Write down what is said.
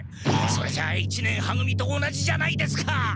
それじゃあ一年は組と同じじゃないですか！